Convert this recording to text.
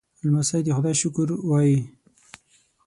لمسی د خدای شکر وايي.